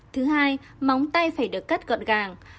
thứ hai móng tay phải được cắt gọn gàng